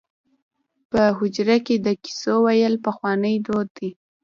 په حجره کې د کیسو ویل پخوانی دود دی.